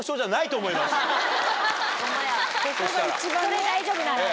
それ大丈夫なら。